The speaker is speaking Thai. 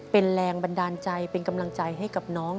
เป็นแรงบันดาลใจเป็นกำลังใจให้กับน้อง